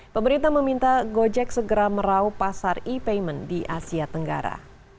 pemerintah meminta gojek segera merauh pasar e payment di asia tenggara